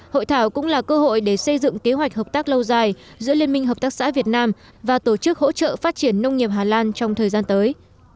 hội thảo cũng là cơ hội để xây dựng kế hoạch hợp tác lâu dài giữa liên minh hợp tác xã việt nam và tổ chức hỗ trợ phát triển nông nghiệp hà lan trong thời gian tới